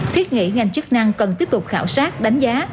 thiết nghĩ ngành chức năng cần tiếp tục khảo sát đánh giá